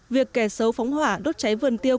việc kẻ xấu phóng hỏa đốt cháy vườn tiêu